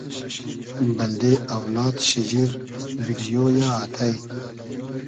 بئلدې اۆلاد شیجیر بیریۉ یۂ آتݷ